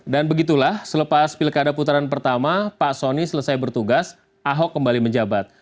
dan begitulah selepas pilkada putaran pertama pak soni selesai bertugas ahok kembali menjabat